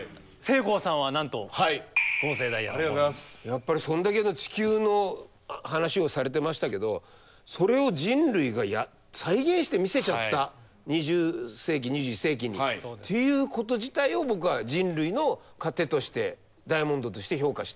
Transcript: やっぱりそんだけの地球の話をされてましたけどそれを人類が再現して見せちゃった２０世紀２１世紀に。っていうこと自体を僕は人類の糧としてダイヤモンドとして評価した。